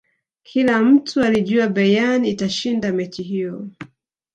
kila mtu alijua bayern itashinda mechi hiyo